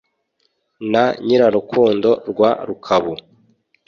na nyirarukondo rwa rukabu